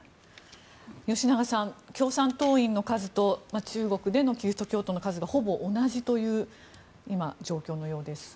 吉永さん共産党員の数と中国でのキリスト教徒の数がほぼ同じという今、状況のようです。